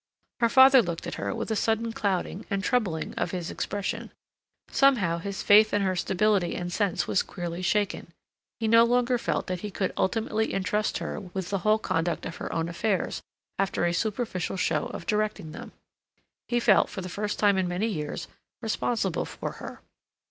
Her father looked at her with a sudden clouding and troubling of his expression. Somehow his faith in her stability and sense was queerly shaken. He no longer felt that he could ultimately entrust her with the whole conduct of her own affairs after a superficial show of directing them. He felt, for the first time in many years, responsible for her.